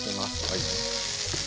はい。